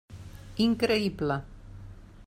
Increïble.